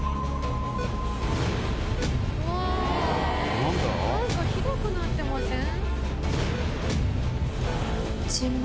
何かひどくなってません？